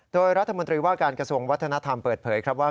โดยรัฐมนตรีว่าการกระทรวงวัฒนธรรมเปิดเผยครับว่า